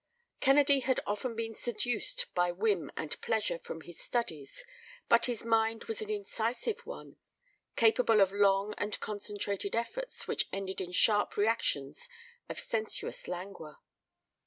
Kennedy had often been seduced by whim and pleasure from his studies, but his mind was an incisive one, capable of long and concentrated efforts which ended in sharp reactions of sensuous languor.